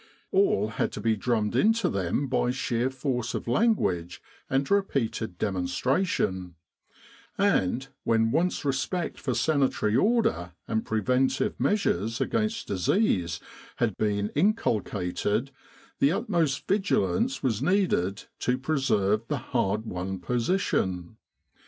All had to be drummed into them by sheer force of language 4ind repeated demonstration; and, when once respect for sanitary order and preventive measures against disease had been inculcated, the utmost vigilance was needed to preserve the hard won position.